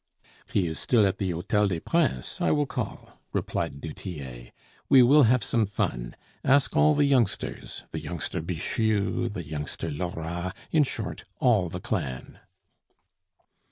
"He is still at the Hotel des Princes; I will call," replied du Tillet. "We will have some fun. Ask all the youngsters the youngster Bixiou, the youngster Lora, in short, all the clan."